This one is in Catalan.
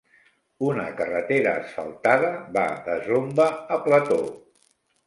Una carretera asfaltada va de Zomba a Plateau.